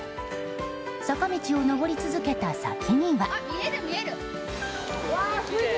坂道を上り続けた先には。